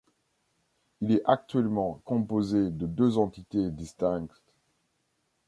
Il est actuellement composé de deux entités distinctes.